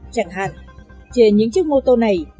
chẳng hạn trên những chiếc mô tô này